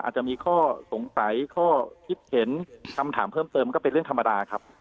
อาจจะมีข้อสงสัยข้อคิดเห็นคำถามเพิ่มเติมก็เป็นเรื่องธรรมดาครับ